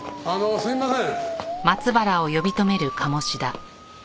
すいません。